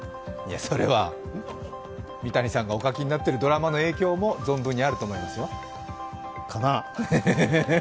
それは三谷さんがお書きになってるドラマの影響も存分にあると思いますよ。かな。